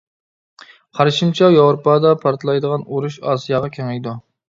قارىشىمچە ياۋروپادا پارتلايدىغان ئۇرۇش ئاسىياغا كېڭىيىدۇ.